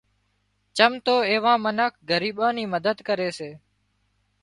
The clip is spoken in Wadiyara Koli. چم تو ايوان منک ڳريٻان نِي مدد ڪري سي